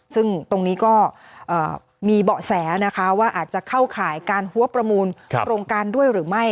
ซึ่งตรงนี้ก็มีเบาะแสนะคะว่าอาจจะเข้าข่ายการหัวประมูลโครงการด้วยหรือไม่